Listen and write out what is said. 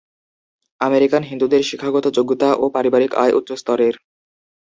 American হিন্দুদের শিক্ষাগত যোগ্যতা ও পারিবারিক আয় উচ্চস্তরের।